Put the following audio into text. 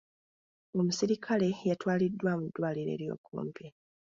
Omuserikale yatwaliddwa mu ddwaliro ery'okumpi.